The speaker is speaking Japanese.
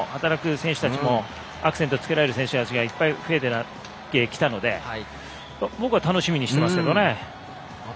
働く選手たちもアクセントつけられる選手がいっぱい増えてきたので僕は楽しみにしていますけどね。